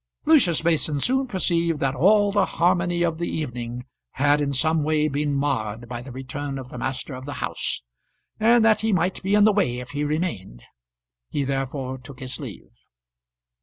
Lucius Mason soon perceived that all the harmony of the evening had in some way been marred by the return of the master of the house, and that he might be in the way if he remained; he therefore took his leave.